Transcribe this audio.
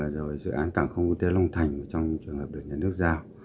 rồi dự án cảng không quốc tế long thành trong trường hợp được nhà nước giao